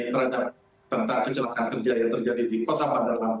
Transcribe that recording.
terhadap tentang kecelakaan kerja yang terjadi di kota padang